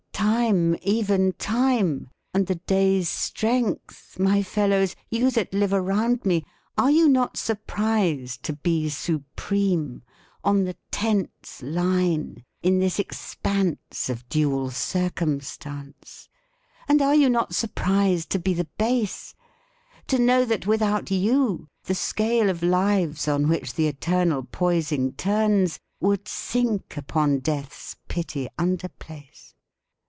Time, even time, and the day's strength My fellows, you that live around me, are you not surprised to be supreme, on the tense line, in this expanse of dual circumstance? And are you not surprised to be the base? To know that, without you, the scale of lives on which the eternal poising turns would sink upon death's pitty under place?